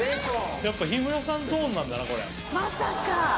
やっぱ日村さんゾーンなんだなこれ。